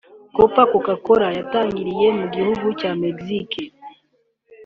Copa Coca-Cola yatangiriye mu gihugu cya Mexico